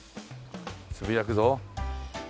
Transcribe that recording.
つぶやくぞ。